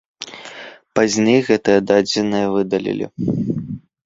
Пазней гэтыя дадзеныя выдалілі.